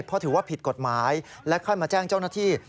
เพราะถือว่าผิดกฎหมายและค่อยมาแจ้งเจ้าหน้าที่